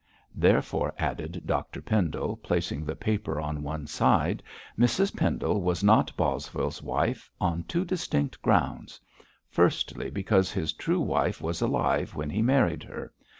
Therefore,' added Dr Pendle, placing the paper on one side, 'Mrs Pendle was not Bosvile's wife on two distinct grounds. Firstly, because his true wife was alive when he married her.